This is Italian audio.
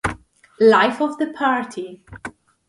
Life of the Party